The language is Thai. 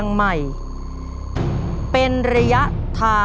น้องป๋องเลือกเรื่องระยะทางให้พี่เอื้อหนุนขึ้นมาต่อชีวิต